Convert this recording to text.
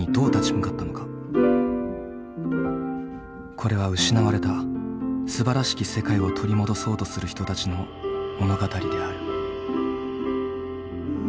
これは失われた素晴らしき世界を取り戻そうとする人たちの物語である。